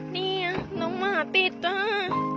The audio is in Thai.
นี่มหาว่าสิบน้ำ